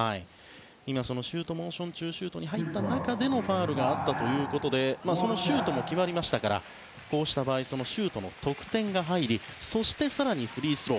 今はシュートモーション中シュートに入った中でのファウルがあったということでそのシュートも決まりましたからこうした場合シュートも得点が入りそして、更にフリースロー。